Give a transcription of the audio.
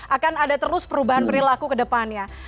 akan ada terus perubahan perilaku kedepannya